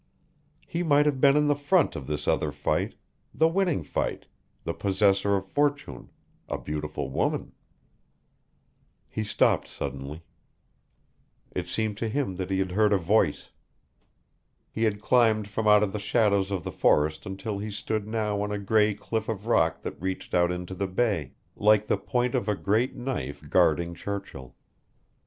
He might have been in the front of this other fight, the winning fight, the possessor of fortune, a beautiful woman He stopped suddenly. It seemed to him that he had heard a voice. He had climbed from out of the shadow of the forest until he stood now on a gray cliff of rock that reached out into the Bay, like the point of a great knife guarding Churchill.